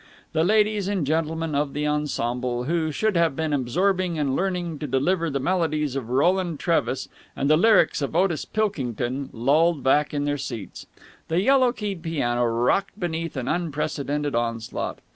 The ladies and gentlemen of the ensemble, who should have been absorbing and learning to deliver the melodies of Roland Trevis and the lyrics of Otis Pilkington, lolled back in their seats. The yellow keyed piano rocked beneath an unprecedented onslaught.